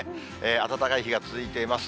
暖かい日が続いています。